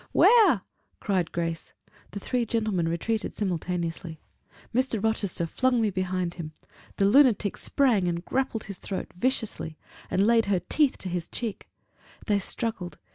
"'Ware!" cried Grace. The three gentlemen retreated simultaneously. Mr. Rochester flung me behind him; the lunatic sprang and grappled his throat viciously, and laid her teeth to his cheek; they struggled.